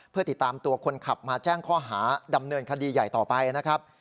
เพื่อติดตามตัวคนขับมาแจ้งข้อหาดำเนินคดีใหญ่ต่อไปนะครับ